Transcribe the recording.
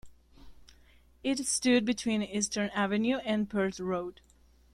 It stood between Eastern Avenue and Perth Road.